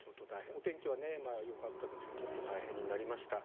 お天気はよかったですけどちょっと大変になりました。